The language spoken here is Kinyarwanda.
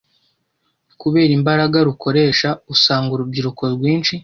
Kubera imbaraga rukoresha, usanga urubyiruko rwinshi